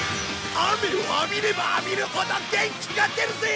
雨を浴びれば浴びるほど元気が出るぜ！